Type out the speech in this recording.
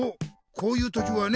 こういう時はね